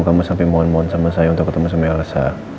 kamu sampai mohon mohon sama saya untuk ketemu sama elsa